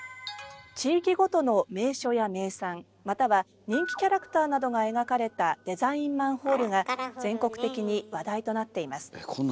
地域ごとの名所や名産または人気キャラクターなどが描かれたデザインマンホールが全国的に話題となっています。